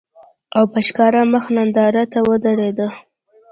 او په ښکاره مخ نندارې ته ودرېده